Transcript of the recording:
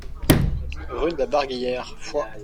Rue de la Barguillère, Foix